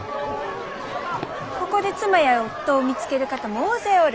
ここで妻や夫を見つける方も大勢おる。